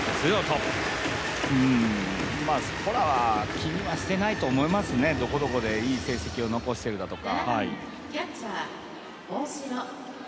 そこらは気にはしてないと思いますねどこどこでいい成績を残してるだとか。